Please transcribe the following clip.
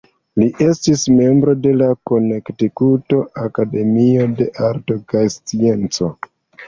Li estis membro de la Konektikuto Akademio de Arto kaj Sciencoj.